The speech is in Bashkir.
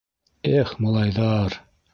Эх, малайҙар!